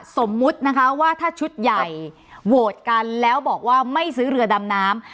สมมุตินะคะว่าถ้าชุดใหญ่โหวตกันแล้วบอกว่าไม่ซื้อเรือดำน้ำ